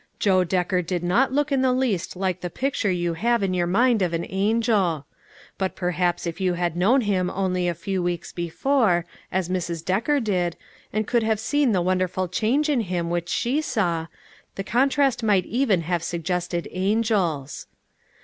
Joe Decker did not look in the least like the picture you have in your mind of an angel but perhaps if you had known him only a few weeks before, as Mrs. Decker did, and could have seen the wonderful change in him which she saw, the contrast might even have suggested angels.